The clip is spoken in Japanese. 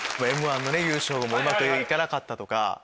『Ｍ−１』の優勝後もうまく行かなかったとか。